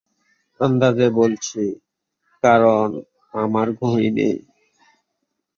আন্দাজে বলছি, কারণ আমার ঘড়ি নেই।